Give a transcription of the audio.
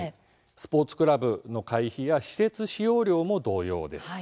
スポーツクラブの会費や施設使用料も同様です。